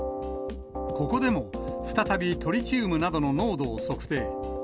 ここでも再びトリチウムなどの濃度を測定。